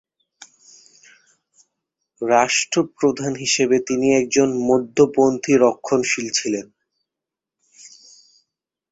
রাষ্ট্রপ্রধান হিসেবে তিনি একজন মধ্যপন্থী রক্ষণশীল ছিলেন।